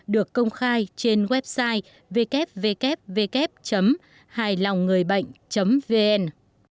được công khai trên website www hai long người bệnh vn